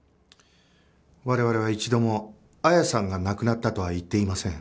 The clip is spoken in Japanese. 我々は一度も「彩矢さんが亡くなった」とは言っていません。